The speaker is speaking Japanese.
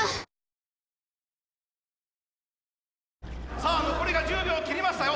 さあ残りが１０秒切りましたよ。